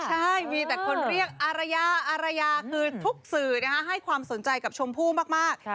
ใช่มีแต่คนเรียกอารยาอารยาคือทุกสื่อให้ความสนใจกับชมพู่มาก